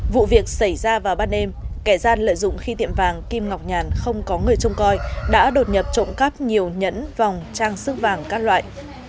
vụ việc xảy ra vào ban đêm kẻ gian lợi dụng khi tiệm vàng kim ngọc nhàn không có người trông coi đã đột nhập trộm cắp nhiều nhẫn vòng trang sức vàng các loại